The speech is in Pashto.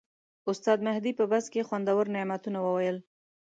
استاد مهدي په بس کې خوندور نعتونه وویل.